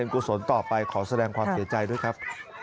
กุศลต่อไปขอแสดงความเสียใจด้วยครับ